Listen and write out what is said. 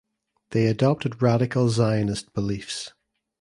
They adopted radical Zionist beliefs.